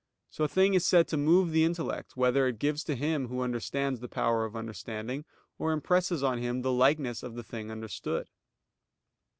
So a thing is said to move the intellect, whether it gives to him who understands the power of understanding; or impresses on him the likeness of the thing understood.